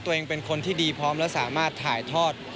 ตัวเองเป็นคนที่ดีพร้อมและสามารถถ่ายทอด